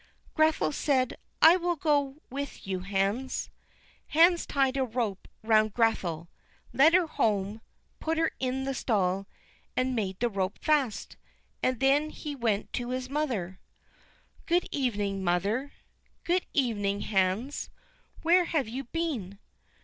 Grethel said: "I will go with you, Hans." Hans tied a rope round Grethel, led her home, put her in the stall, and made the rope fast; and then he went to his mother. "Good evening, mother." "Good evening, Hans. Where have you been?"